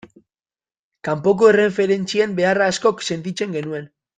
Kanpoko erreferentzien beharra askok sentitzen genuen.